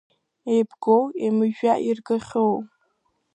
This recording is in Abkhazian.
Еибгоу, еимыжәжәа иргахьоу…